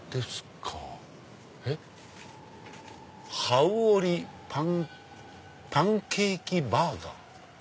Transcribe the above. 「ハウオリパンケーキバーガー」。